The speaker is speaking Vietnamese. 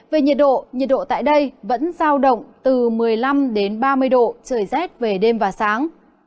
về nhiệt độ nhiệt độ tại đây vẫn giao động từ một mươi năm đến ba mươi độ trời rét về đêm và sáng